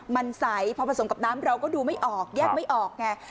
มันใสพอผสมกับน้ำเราก็ดูไม่ออกแยกไม่ออกไง